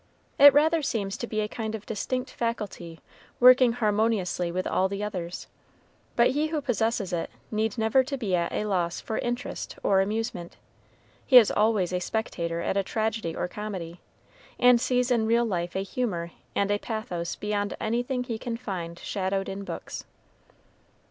It rather seems to be a kind of distinct faculty working harmoniously with all the others; but he who possesses it needs never to be at a loss for interest or amusement; he is always a spectator at a tragedy or comedy, and sees in real life a humor and a pathos beyond anything he can find shadowed in books.